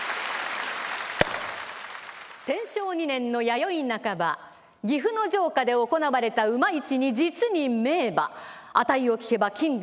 天正２年の弥生半ば岐阜の城下で行われた馬市に実に名馬値を聞けば金で３枚。